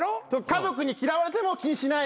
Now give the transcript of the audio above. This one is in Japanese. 家族に嫌われても気にしない。